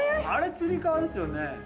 あれ吊り革ですよね。